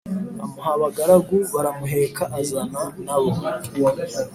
amuha abagaragu baramuheka azana nabo